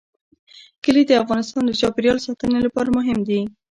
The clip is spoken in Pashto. کلي د افغانستان د چاپیریال ساتنې لپاره مهم دي.